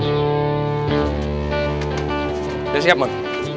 udah siap man